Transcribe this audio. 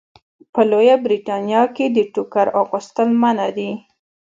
په لویه برېتانیا کې د ټوکر اغوستل منع دي.